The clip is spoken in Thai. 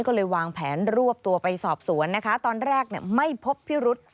ก็เลยวางแผนรวบตัวไปสอบสวนนะคะตอนแรกไม่พบพิรุษ